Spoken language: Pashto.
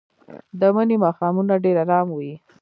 د مني ماښامونه ډېر ارام وي